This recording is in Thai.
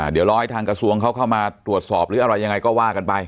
เดี๋ยวรอให้ทางกระทรวงเขาเข้ามาตรวจสอบหรืออะไรยังไงก็ว่ากันไป